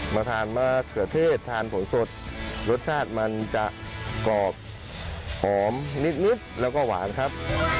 มาทานมะเขือเทศทานผลสดรสชาติมันจะกรอบหอมนิดแล้วก็หวานครับ